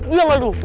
iya gak duh